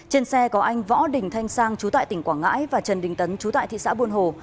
trên xe có anh võ đình thanh sang chú tại tỉnh quảng ngãi và trần đình tấn chú tại thị xã buôn hồ